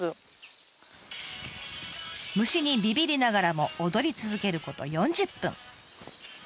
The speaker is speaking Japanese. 虫にビビりながらも踊り続けること４０分。